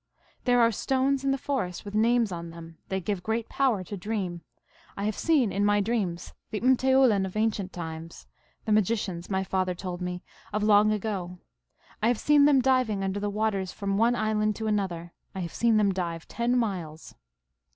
"There are stones in the forest with names on them. They give great power to dream. I have seen TALES OF MAGIC. 345 in my dreams the m teoulin of ancient times, the magicians, rny father told me, of long ago. I have seen them diving under the waters from one island to another. I have seen them dive ten miles.